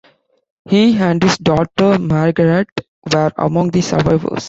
He and his daughter, Margaret, were among the survivors.